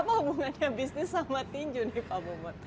apa hubungannya bisnis sama tinju nih pak bobot